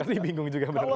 nanti bingung juga